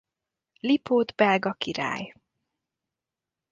Lipót belga király.